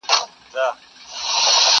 دا په وينو روزل سوی چمن زما دی،